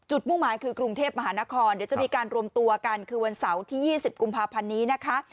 มุ่งหมายคือกรุงเทพมหานครเดี๋ยวจะมีการรวมตัวกันคือวันเสาร์ที่๒๐กุมภาพันธ์นี้นะคะ